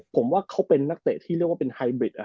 ผมว่าเขาเป็นนักเตะที่เรียกว่าเป็นไฮบริด